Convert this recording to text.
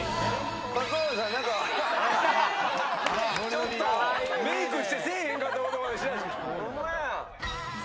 ちょっとメイクしてせえへんかったことしだした。